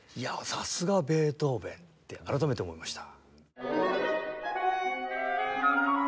さすがベートーヴェンって改めて思いました。